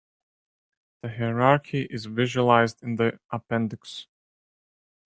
The hierarchy is visualized in the appendix.